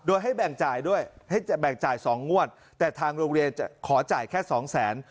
โดยให้แบ่งจ่ายด้วยให้แบ่งจ่าย๒งวดแต่ทางโรงเรียนจะขอจ่ายแค่สองแสน